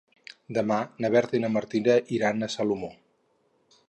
Demà na Berta i na Martina iran a Salomó.